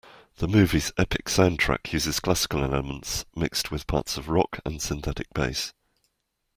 The movie's epic soundtrack uses classical elements mixed with parts of rock and synthetic bass.